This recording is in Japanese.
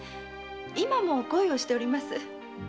今も恋をしております。